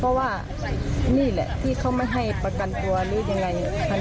เพราะว่านี่แหละที่เขาไม่ให้ประกันตัวหรือยังไง